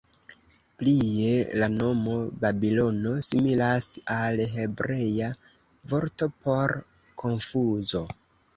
Plie la nomo "Babilono" similas al hebrea vorto por "konfuzo".